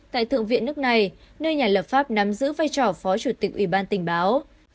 tại thượng viện nước này nơi nhà lập pháp nắm giữ vai trò phó chủ tịch ủy ban tình báo